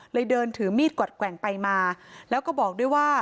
เดินถือมีดกวัดแกว่งไปมาแล้วก็บอกด้วยว่า